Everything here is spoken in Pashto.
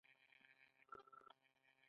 د کارګرانو لوی پوځ جوړ شو.